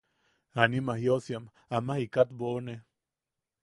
Anima jiosiam ama jikat boʼone.